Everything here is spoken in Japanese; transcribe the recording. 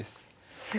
すごい。